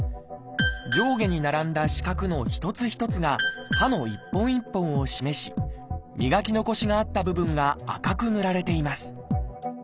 上下に並んだ四角の一つ一つが歯の一本一本を示し磨き残しがあった部分が赤く塗られています。